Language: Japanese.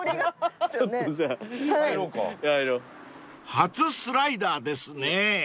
［初スライダーですね］